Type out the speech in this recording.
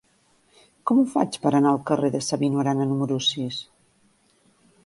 Com ho faig per anar al carrer de Sabino Arana número sis?